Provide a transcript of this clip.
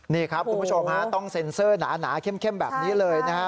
นี่ครับคุณผู้ชมฮะต้องเซ็นเซอร์หนาเข้มแบบนี้เลยนะฮะ